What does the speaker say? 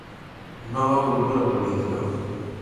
Nova cultura política.